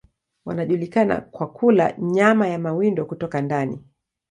Wanajulikana kwa kula nyama ya mawindo kutoka ndani.